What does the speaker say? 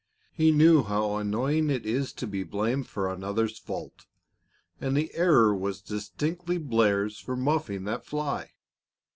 He knew how annoying it is to be blamed for another's fault, and the error was distinctly Blair's for muffing that fly.